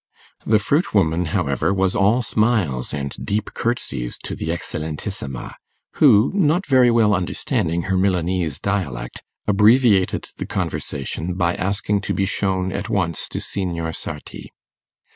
The fruit woman, however, was all smiles and deep curtsies to the Eccelentissima, who, not very well understanding her Milanese dialect, abbreviated the conversation by asking to be shown at once to Signor Sarti.